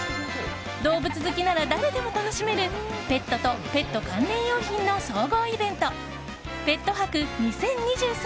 動物好きなら誰でも楽しめるペットとペット関連用品の総合イベントＰｅｔ博２０２３